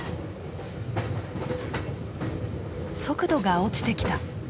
速度が落ちてきた。